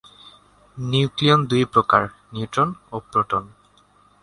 Nucleon দুই প্রকার: neutron ও প্রোটন।